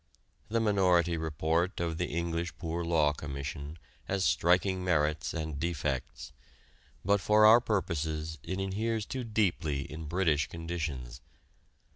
The Minority Report of the English Poor Law Commission has striking merits and defects, but for our purposes it inheres too deeply in British conditions.